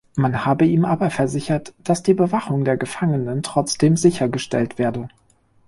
Man habe ihm aber versichert, dass die Bewachung der Gefangenen trotzdem sichergestellt werde.